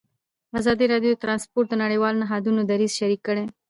ازادي راډیو د ترانسپورټ د نړیوالو نهادونو دریځ شریک کړی.